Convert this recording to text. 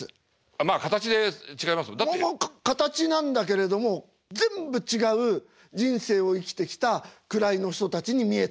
まあまあ形なんだけれども全部違う人生を生きてきた位の人たちに見えた。